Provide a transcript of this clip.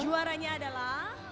dan juaranya adalah